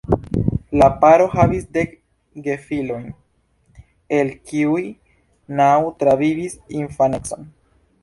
La paro havis dek gefilojn, el kiuj naŭ travivis infanecon.